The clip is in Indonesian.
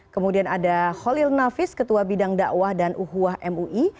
kemudian ada holil nafis ketua bidang dakwah dan uhuah mui